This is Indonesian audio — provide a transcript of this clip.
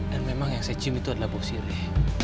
dan memang yang saya cium itu adalah bau sirih